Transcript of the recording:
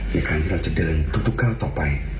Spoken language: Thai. ในการที่เราจะเดินทุกเก้าต่อไป